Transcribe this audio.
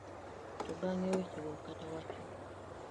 To bang'e, wechego kata wachno